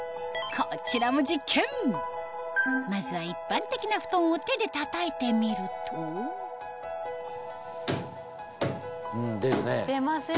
こちらもまずは一般的なふとんを手でたたいてみると出るね。